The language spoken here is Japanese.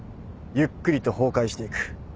ゆっくりと崩壊していく。